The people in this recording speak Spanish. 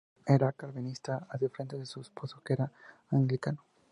Era calvinista, a diferencia de su esposo que era anglicano.